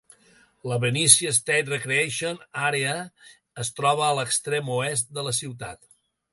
La Benicia State Recreation Area es troba a l'extrem oest de la ciutat.